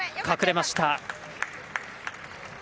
隠れました。